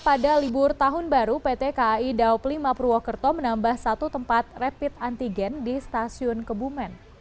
pada libur tahun baru pt kai daob lima purwokerto menambah satu tempat rapid antigen di stasiun kebumen